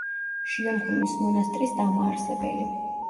შიომღვიმის მონასტრის დამაარსებელი.